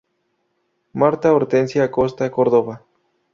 Martha Hortensia Acosta Córdova.